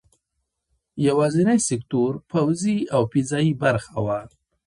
یوازینی سکتور پوځي او فضايي برخه وه.